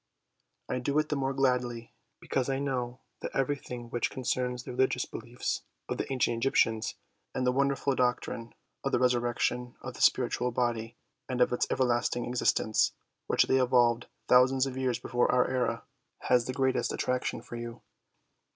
I do it the more gladly because I know that everything which concerns the religious beliefs of the ancient Egyptians and the wonderful doctrine of the resurrection of the spiritual body and of its everlasting existence, which they evolved thousands of years before our era, has the greatest attraction for you.